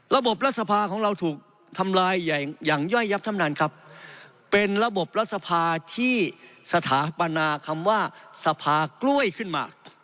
รัฐสภาของเราถูกทำลายอย่างย่อยยับท่านนานครับเป็นระบบรัฐสภาที่สถาปนาคำว่าสภากล้วยขึ้นมา